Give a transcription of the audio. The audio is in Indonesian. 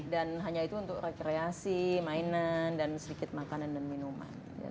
dan hanya itu untuk rekreasi mainan dan sedikit makanan dan minuman